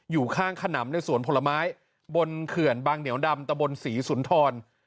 อยู่ข้างขนำในสวนผลไม้บนเขื่อนบางเหนียวดำตะบนศรีสุนทร